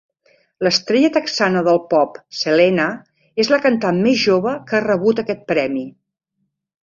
L'estrella texana del pop, Selena, és la cantant més jove que ha rebut aquest premi.